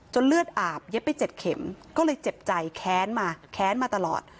เลือดอาบเย็บไป๗เข็มก็เลยเจ็บใจแค้นมาแค้นมาตลอด